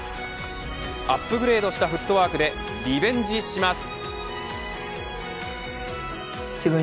アップグレードしたフットワークでリベンジします。